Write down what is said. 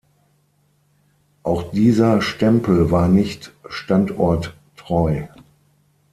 Auch dieser Stempel war nicht standorttreu.